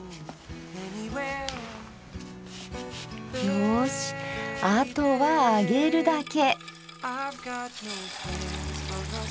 よしあとは揚げるだけ。